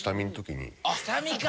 下見か！